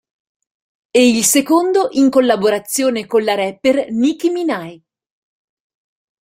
E il secondo in collaborazione con la rapper Nicki Minaj.